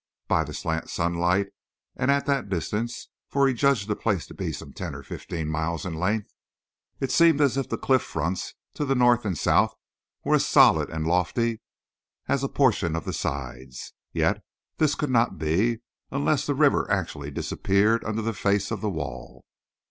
By the slant sunlight, and at that distance for he judged the place to be some ten or fifteen miles in length it seemed as if the cliff fronts to the north and south were as solid and lofty as a portion of the sides; yet this could not be unless the river actually disappeared under the face of the wall.